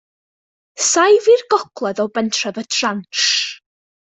Saif i'r gogledd o bentref Y Transh.